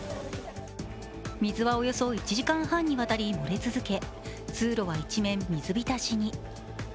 水は、およそ１時間半にわたり漏れ続け、通路は一面、水浸しに。